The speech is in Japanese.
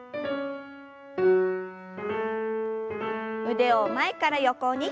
腕を前から横に。